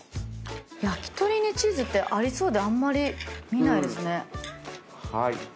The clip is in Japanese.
焼き鳥にチーズってありそうであんまり見ないです。